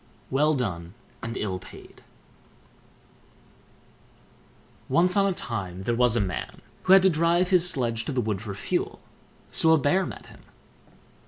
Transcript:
WELL DONE AND ILL PAID Once on a time there was a man, who had to drive his sledge to the wood for fuel. So a Bear met him.